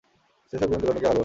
যে সব জীবন্ত প্রাণীকে ভালবাসে।